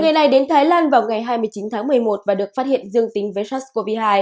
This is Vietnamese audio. người này đến thái lan vào ngày hai mươi chín tháng một mươi một và được phát hiện dương tính với sars cov hai